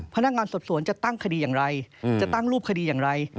พนักงานสอบสวนจะตั้งคดีอย่างไรจะตั้งรูปคดีอย่างไร